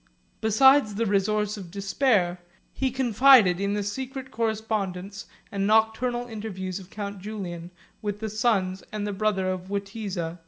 Besides the resource of despair, he confided in the secret correspondence and nocturnal interviews of count Julian, with the sons and the brother of Witiza.